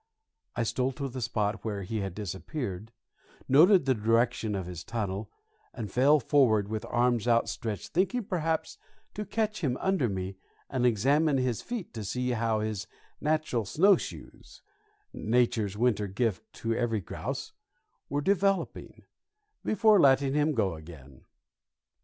I stole to the spot where he had disappeared, noted the direction of his tunnel, and fell forward with arms outstretched, thinking perhaps to catch him under me and examine his feet to see how his natural snowshoes (Nature's winter gift to every grouse) were developing, before letting him go again.